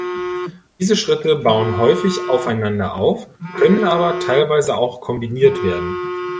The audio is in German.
Diese Schritte bauen häufig aufeinander auf, können aber teilweise auch kombiniert werden.